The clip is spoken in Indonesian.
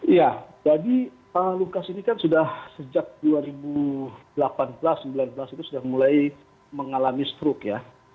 iya jadi pak lukas ini kan sudah sejak dua ribu delapan belas dua ribu sembilan belas itu sudah mulai mengalami stroke ya